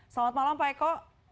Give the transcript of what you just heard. selamat malam pak eko